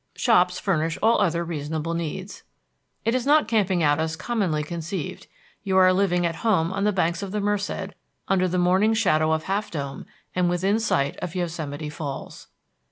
Shops furnish all other reasonable needs. It is not camping out as commonly conceived; you are living at home on the banks of the Merced, under the morning shadow of Half Dome, and within sight of Yosemite Falls.